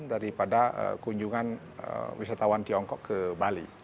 daripada kunjungan wisatawan tiongkok ke bali